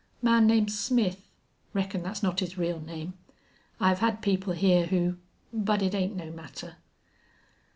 "Man named Smith. Reckon thet's not his real name. I've had people here who but it ain't no matter."